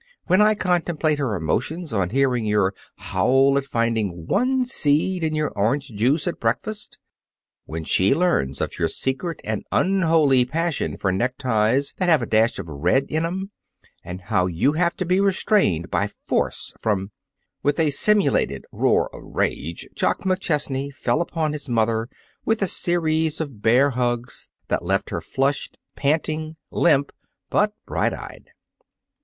When I contemplate her emotions on hearing your howl at finding one seed in your orange juice at breakfast! When she learns of your secret and unholy passion for neckties that have a dash of red in 'em, and how you have to be restrained by force from " With a simulated roar of rage, Jock McChesney fell upon his mother with a series of bear hugs that left her flushed, panting, limp, but bright eyed.